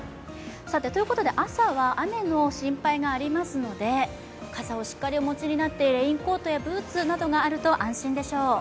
朝は雨の心配がありますので傘をしっかりお持ちになってレインコートやブーツなどがあると安心でしょう。